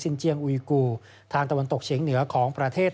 เจียงอุยกูทางตะวันตกเฉียงเหนือของประเทศ